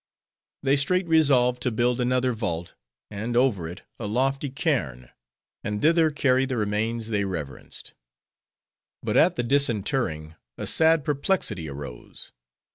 They straight resolved, to build another vault; and over it, a lofty cairn; and thither carry the remains they reverenced. But at the disinterring, a sad perplexity arose.